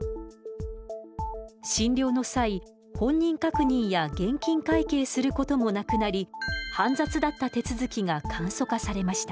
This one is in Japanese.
診療の際本人確認や現金会計することもなくなり煩雑だった手続きが簡素化されました。